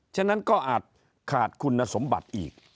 ฉะนั้นก็อาจขาดคุณสมบัติอีก